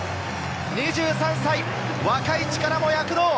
２３歳、若い力も躍動！